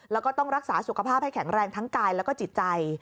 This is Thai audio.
แล้วก็ต้องรักษาสุขภาพให้แข็งแรงทั้งกายแล้วก็จิตใจ